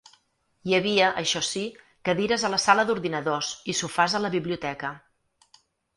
Hi havia, això sí, cadires a la sala d'ordinadors i sofàs a la biblioteca.